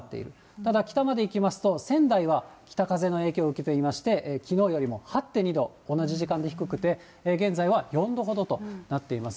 ただ、北まで行きますと、仙台は北風の影響を受けていまして、きのうよりも８．２度、同じ時間で低くて、現在は４度ほどとなっています。